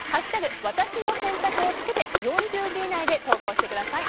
ワタシの選択」をつけて４０字以内で投稿してください。